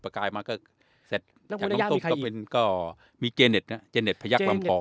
ประกายมาก็เสร็จน้องตุ้มมีใครอีกก็มีเจเน็ตนะเจเน็ตพระยักษ์ลำพอง